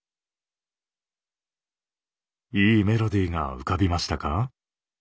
いいメロディーが浮かびましたか？